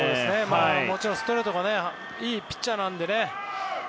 もちろんストレートがいいピッチャーなのでね。